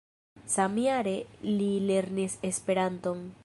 Samjare li lernis Esperanton.